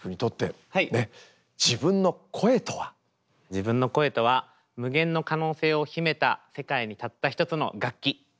自分の声とは無限の可能性を秘めた世界にたった一つの楽器。